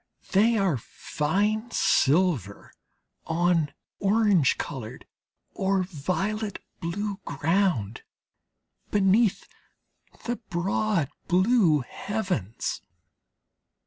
They are fine silver on orange coloured or violet blue ground, beneath the broad blue heavens.